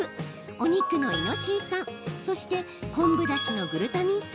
お肉のイノシン酸そして昆布だしのグルタミン酸。